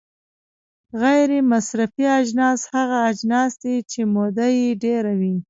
غیر مصرفي اجناس هغه اجناس دي چې موده یې ډیره وي.